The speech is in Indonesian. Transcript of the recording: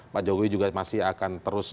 pak jokowi juga masih akan terus